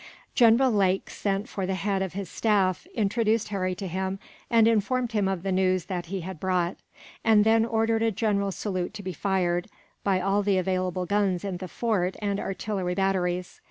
General Lake sent for the head of his staff, introduced Harry to him, and informed him of the news that he had brought; and then ordered a general salute to be fired, by all the available guns in the fort and artillery batteries.